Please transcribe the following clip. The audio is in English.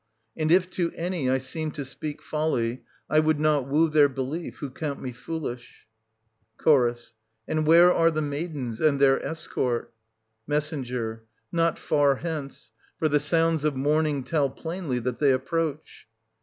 And if to any I seem to speak folly, I would not woo their belief, who count me foolish. Ch. And where are the maidens, and their escort? Me. Not far hence; for the sounds of mourning tell plainly that they approach.